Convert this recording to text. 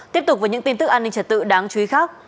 tiếp tục với những tin tức an ninh trật tự đáng chú ý khác